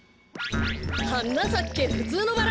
「はなさけふつうのバラ」